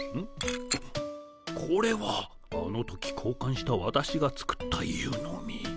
これはあの時こうかんしたわたしが作った湯飲み。